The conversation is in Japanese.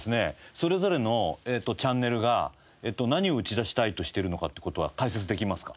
それぞれのチャンネルが何を打ち出したいとしているのかって事は解説できますか？